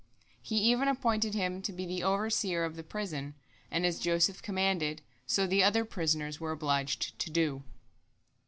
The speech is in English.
He even appointed him to be the overseer of the prison, and as Joseph commanded, so the other prisoners were obliged to do.